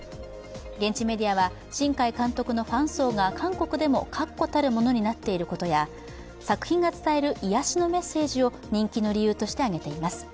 現地メディアは、新海監督のファン層が韓国でも確固たるものになっていることや作品が伝える癒やしのメッセージを人気の理由として挙げています。